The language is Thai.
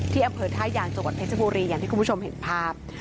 อำเภอท่ายางจังหวัดเพชรบุรีอย่างที่คุณผู้ชมเห็นภาพ